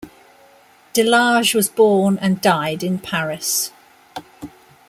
Delage was born and died in Paris.